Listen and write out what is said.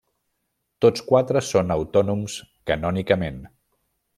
Tots quatre són autònoms canònicament.